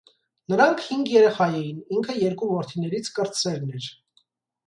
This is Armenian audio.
Նրանք հինգ երեխա էին, ինքը երկու որդիներից կրտսերն էր։